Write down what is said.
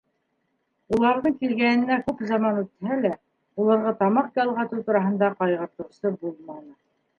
Уларҙың килгәненә күп заман үтһә лә, уларға тамаҡ ялғатыу тураһында ҡайғыртыусы булманы.